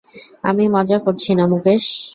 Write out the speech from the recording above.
আমি মজা করছি না, মুকেশ।